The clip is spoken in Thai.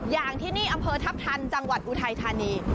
อย่างที่นี่อำเภอทัพทันจังหวัดอุทัยธานี